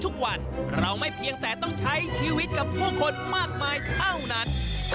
ทุกวันเราไม่เพียงแต่ต้องใช้ชีวิตกับผู้คนมากมายเท่านั้น